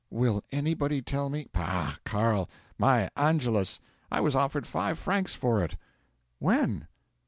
Will anybody tell me " '"Pah, Carl My 'Angelus!' I was offered five francs for it." '"When?"